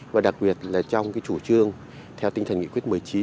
và đặc biệt là trong cái chủ trương theo tinh thần nghị quyết một mươi chín